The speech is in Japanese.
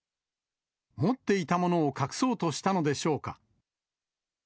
持っていたものを隠そうとしたのでしょうか。